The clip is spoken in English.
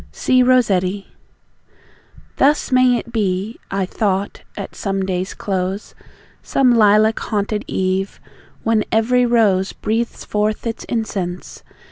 C. ROSSETTI. Thus may it be (I thought) at some day's close, Some lilac haunted eve, when every rose Breathes forth its incense.